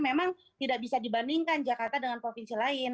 memang tidak bisa dibandingkan jakarta dengan provinsi lain